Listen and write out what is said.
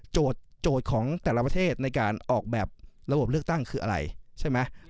โจทย์ของแต่ละประเทศในการออกแบบระบบเลือกตั้งคืออะไรใช่ไหม